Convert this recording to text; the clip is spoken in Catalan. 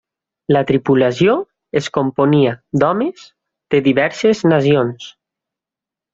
La tripulació es componia d'homes de diverses nacions.